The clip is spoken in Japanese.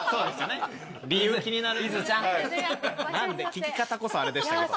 聞き方こそあれでしたけど。